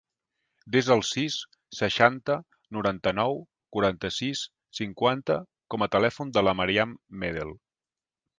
Desa el sis, seixanta, noranta-nou, quaranta-sis, cinquanta com a telèfon de la Maryam Medel.